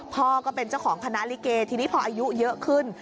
ก็เป็นเจ้าของคณะลิเกทีนี้พออายุเยอะขึ้น